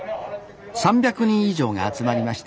３００人以上が集まりました